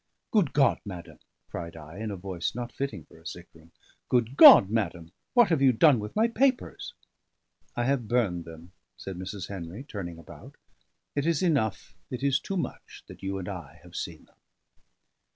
"Good God, madam," cried I, in a voice not fitting for a sick room, "Good God, madam, what have you done with my papers?" "I have burned them," said Mrs. Henry, turning about. "It is enough, it is too much, that you and I have seen them."